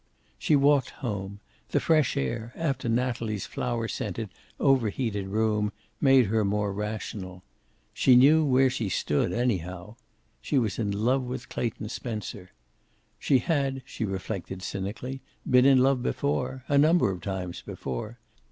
She walked home. The fresh air, after Natalie's flower scented, overheated room, made her more rational. She knew where she stood, anyhow. She was in love with Clayton Spencer. She had, she reflected cynically, been in love before. A number of times before.